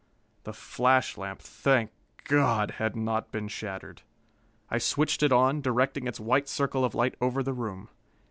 The flash lamp, thank God! had not been shattered. I switched it on, directing its white circle of light over the room.